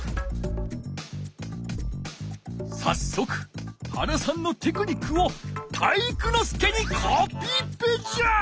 さっそく原さんのテクニックを体育ノ介にコピペじゃ！